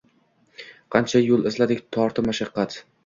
Qancha yo’l izladik, tortib mashaqqat